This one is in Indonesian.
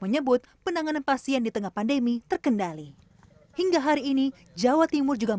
menyebut penanganan pasien di tengah pandemi terkendali hingga hari ini jawa timur juga